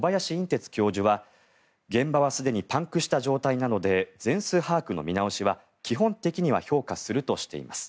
てつ教授は現場はすでにパンクした状態なので全数把握の見直しは基本的には評価するとしています。